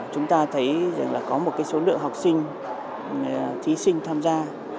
chúng ta thấy có một số lượng học sinh thí sinh tham gia